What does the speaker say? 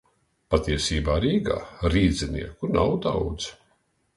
Patiesībā Rīgā rīdzinieku nav daudz